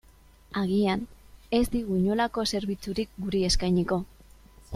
Agian, ez digu inolako zerbitzurik guri eskainiko.